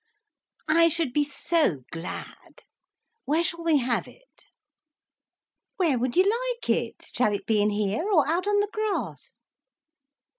"I should be so glad. Where shall we have it?" "Where would you like it? Shall it be in here, or out on the grass?"